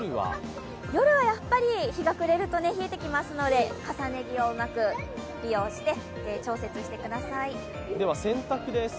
夜はやっぱり日が暮れると冷えてきますので、重ね着をうまく利用して調節してください。